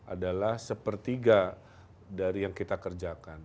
adalah sepertiga dari yang kita kerjakan